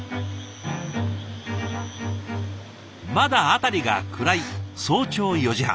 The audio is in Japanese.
まだ辺りが暗い早朝４時半。